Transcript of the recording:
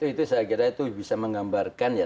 itu saya kira itu bisa menggambarkan ya